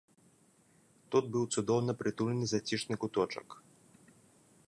Тут быў цудоўна прытульны зацішны куточак.